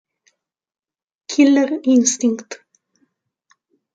Killer Instinct